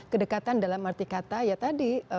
kedekatan dalam arti kata ya tadi